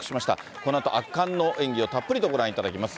このあと圧巻の演技をたっぷりとご覧いただきます。